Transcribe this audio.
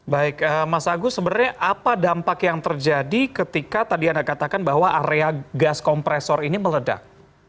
baik mas agus sebenarnya apa dampak yang terjadi ketika tadi anda katakan bahwa area gas kompresor ini meledak